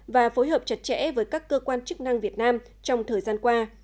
và phối hợp chặt chẽ với các cơ quan chức năng việt nam trong thời gian qua